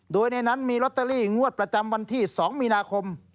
โดยในนั้นมีลอตเตอรี่งวดประจำวันที่๒มีนาคม